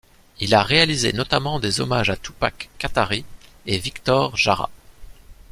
Il a réalisé notamment des hommages à Tupac Katari et Víctor Jara.